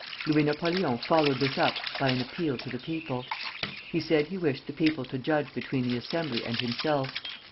Louis Napoleon followed this up by an appeal to the people. He said he wished the people to judge between the Assembly and himself.